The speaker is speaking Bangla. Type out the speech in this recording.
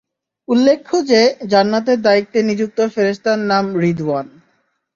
উল্লেখ্য যে, জান্নাতের দায়িত্বে নিযুক্ত ফেরেশতার নাম রিদওয়ান।